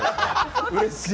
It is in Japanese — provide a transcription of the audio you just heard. うれしい。